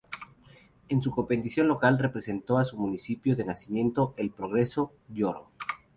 En su competición local representó a su municipio de nacimiento, El Progreso, Yoro.